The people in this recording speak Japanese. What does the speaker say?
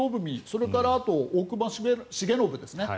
それからあと大隈重信ですね